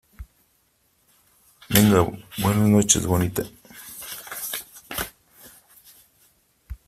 venga , buenas noches , bonita .